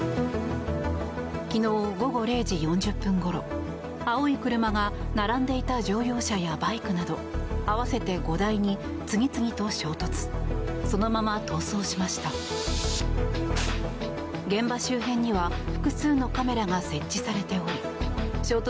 昨日午後０時４０分ごろ青い車が並んでいた乗用車やバイクなど合わせて５台に次々と衝突。